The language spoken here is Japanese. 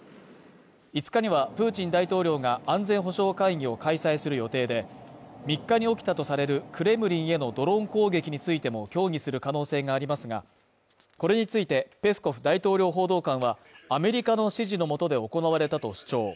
５日にはプーチン大統領が安全保障会議を開催する予定で、３日に起きたとされるクレムリンへのドローン攻撃についても協議する可能性がありますが、これについてペスコフ大統領報道官はアメリカの指示のもとで行われたと主張。